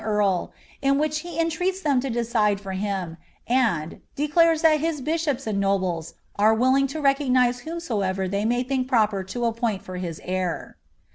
^8 F * earl, in which he enireats ihem to deride for him, anJ ^'declam ihtl hi« bishops and nobles are willing lo recognise whomsoever ihev on think proper lo appoint for his heir."